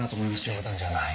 冗談じゃない。